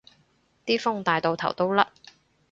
啲風大到頭都甩